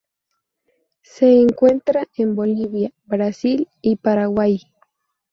Se encuentra en Bolivia, Brasil y Paraguay.